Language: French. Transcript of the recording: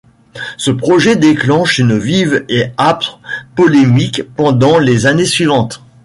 Ce projet déclenche une vive et âpre polémique pendant les années suivantes.